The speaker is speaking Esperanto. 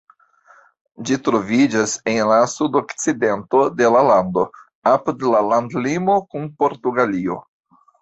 Ĝi troviĝas en la sudokcidento de la lando, apud la landlimo kun Portugalio.